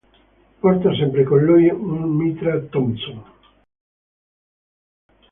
Porta sempre con lui un mitra Thompson.